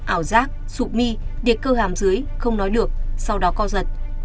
ảo giác sụp mi điệt cơ hàm dưới không nói được sau đó co giật